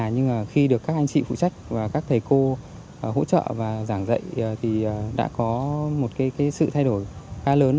nhưng khi được các anh chị phụ trách và các thầy cô hỗ trợ và giảng dạy thì đã có một sự thay đổi khá lớn